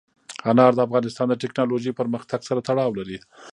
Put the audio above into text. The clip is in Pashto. انار د افغانستان د تکنالوژۍ پرمختګ سره تړاو لري.